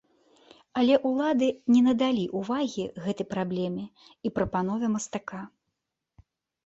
Але ўлады не надалі ўвагі гэтай праблеме і прапанове мастака.